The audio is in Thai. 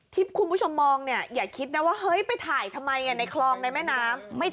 ที่คุณผู้ชมมองอย่าคิดว่าไปถ่ายทำไมในคลองในแม่น้ำ